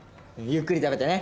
ゆっくり食べてね。